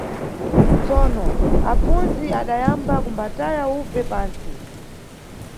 Tsono apfundzi adayamba kumbataya ubve pantsi.